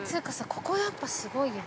◆ここ、やっぱすごいね。